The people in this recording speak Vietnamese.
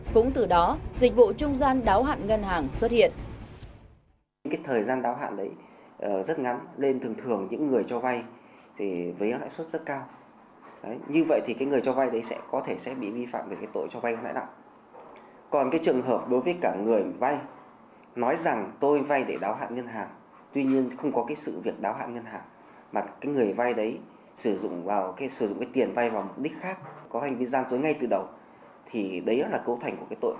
cũng từ đó dịch vụ trung gian đáo hạn ngân hàng xuất hiện